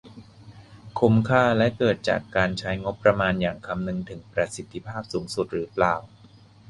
คุ้มค่าและเกิดจากการใช้งบประมาณอย่างคำนึงถึงประสิทธิภาพสูงสุดหรือเปล่า